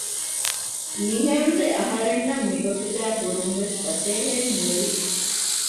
މިހެންވެ އަހަރެންނަށް މިގޮތުގައި ހުރުން ވެސް ފަސޭހައެއް ނުވި